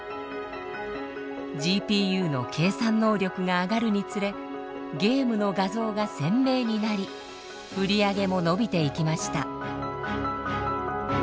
ＧＰＵの計算能力が上がるにつれゲームの画像が鮮明になり売り上げも伸びていきました。